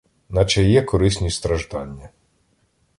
Наче є корисні страждання.